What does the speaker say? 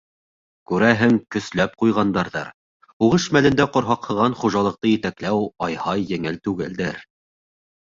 Күрәһең, көсләп ҡуйғандарҙыр. һуғыш мәлендә ҡорғаҡһыған хужалыҡты етәкләү, ай-һай, еңел түгелдер...